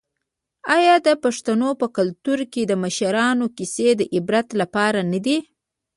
آیا د پښتنو په کلتور کې د مشرانو کیسې د عبرت لپاره نه دي؟